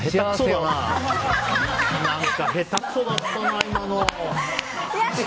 何か、下手くそだったな、今の。